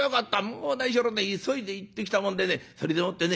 「もう何しろね急いで行ってきたもんでねそれでもってね